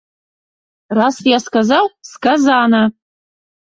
Раз я сказаў, сказана!